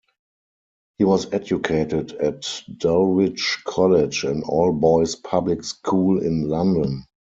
He was educated at Dulwich College, an all-boys public school in London.